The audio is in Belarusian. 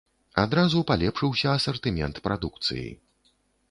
Адразу палепшыўся асартымент прадукцыі.